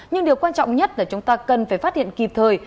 nhưng điều quan trọng nhất là chúng ta cần phải phát hiện kịp thời